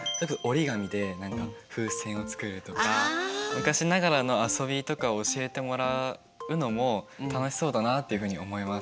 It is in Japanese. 昔ながらの遊びとかを教えてもらうのも楽しそうだなっていうふうに思います。